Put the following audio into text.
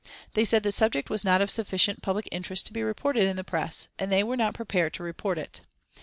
They said the subject was not of sufficient public interest to be reported in the Press, and they were not prepared to report it.